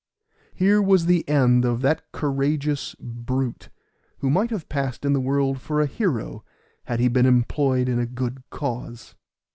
Here was an end of that courageous brute, who might have passed in the world for a hero had he been employed in a good cause.